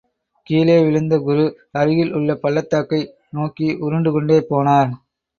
கீழே விழுந்த குரு, அருகில் உள்ளப் பள்ளத்தாக்கை நோக்கி உருண்டு கொண்டே போனார்.